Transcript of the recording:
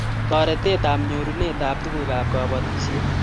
Toretet ab nyorunet ab tukuk ab kapotisiet